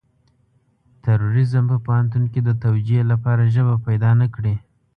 تروريزم په پوهنتون کې د توجيه لپاره ژبه پيدا نه کړي.